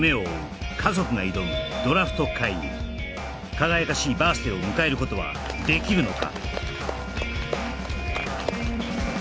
輝かしいバース・デイを迎えることはできるのか？